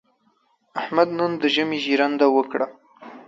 احمد نن د ژمي ژرنده وکړه.